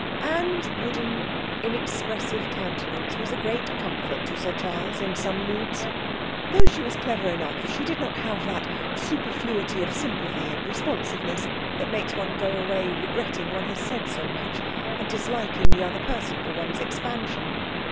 Anne's wooden, inexpressive countenance was a great comfort to Sir Charles, in some moods. Though she was clever enough, she did not have that superfluity of sympathy and responsiveness that makes one go away regretting one has said so much, and disliking the other person for one's expansion.